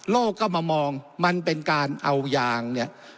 เข้ามามองมันเป็นการเอายางเนี่ย